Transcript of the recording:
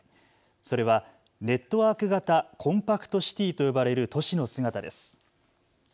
それはネットワーク型コンパクトシティーと呼ばれる都市の姿です。